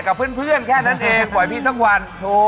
ครับบ๊วยบ๊วยบ๊วย